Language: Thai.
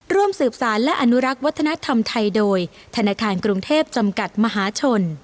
ร่วมสืบสารและอนุรักษ์วัฒนธรรมไทยโดยธนาคารกรุงเทพจำกัดมหาชน